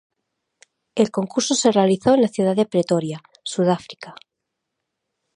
El concurso se realizó en la ciudad de Pretoria, Sudáfrica.